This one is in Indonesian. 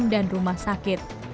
dan rumah sakit